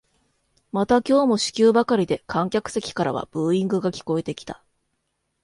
また今日も四球ばかりで観客席からはブーイングが聞こえてきた